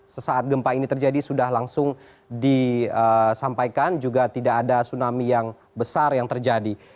sesaat gempa ini terjadi sudah langsung disampaikan juga tidak ada tsunami yang besar yang terjadi